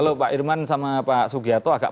kalau pak irman sama pak sugiharto agak